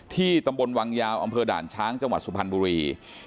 ตำบลวังยาวอำเภอด่านช้างจังหวัดสุพรรณบุรี